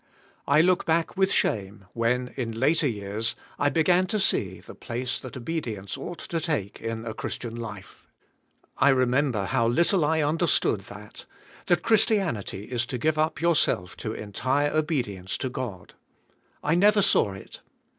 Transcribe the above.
I look back with shame when, in later jears, I began to see the place that obedience ought 212 THE SPIRITUAI. I.IFE. to take in a Christian life. I remember how little I understood that — that Christianity is to g ive up your self to entire obedience to God. I never saw it.